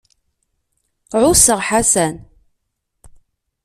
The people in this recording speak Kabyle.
Ɛusseɣ Ḥasan.